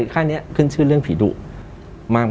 ขั้นนี้ขึ้นชื่อเรื่องผีดุมาก